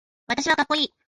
私はかっこいい